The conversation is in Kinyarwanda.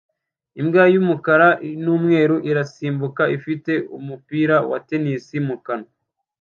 Imbwa y'umukara n'umweru irasimbuka ifite umupira wa tennis mu kanwa